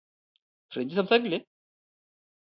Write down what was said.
French സംസാരിക്കില്ലേ